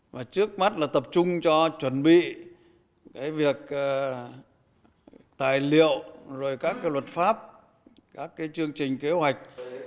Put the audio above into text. và trước mắt là tập trung cho chuẩn bị cái việc tài liệu rồi các cái luật pháp các cái chương trình kế hoạch